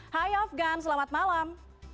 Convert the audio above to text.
hai afghan selamat malam